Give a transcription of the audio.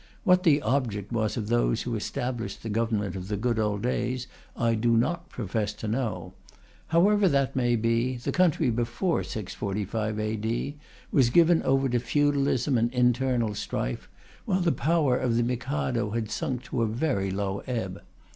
What the object was of those who established the government of the good old days, I do not profess to know. However that may be, the country before 645 A.D. was given over to feudalism and internal strife, while the power of the Mikado had sunk to a very low ebb.